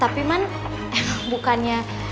tapi man emang bukannya